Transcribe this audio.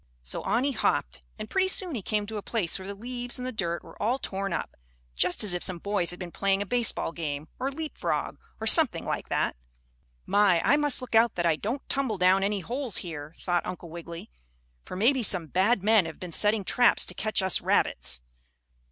So on he hopped, and pretty soon he came to a place where the leaves and the dirt were all torn up, just as if some boys had been playing a baseball game, or leap frog, or something like that. "My, I must look out that I don't tumble down any holes here," thought Uncle Wiggily, "for maybe some bad men have been setting traps to catch us rabbits."